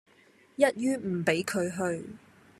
一於唔畀佢去